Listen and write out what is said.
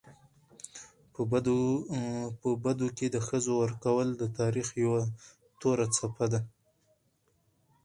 په بدو کي د ښځو ورکول د تاریخ یوه توره څپه ده.